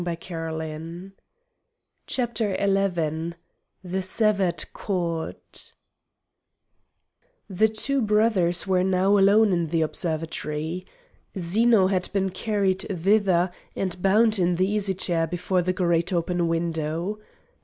CHAPTER XI The Severed Cord The two brothers were now alone in the observatory. Zeno had been carried thither and bound in the easy chair before the great open window.